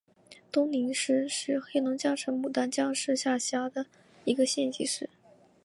东宁市是黑龙江省牡丹江市下辖的一个县级市。